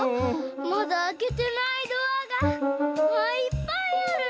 まだあけてないドアがいっぱいあるのに！